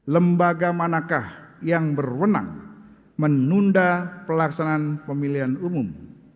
lembaga manakah yang berwenang menunda pelaksanaan pemilihan umum